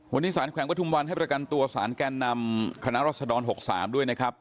วันนี้สารแขวงประทุมวันให้ประกันตัวสารแกนนำคณะรัศดร๖๓ด้วยนะครับ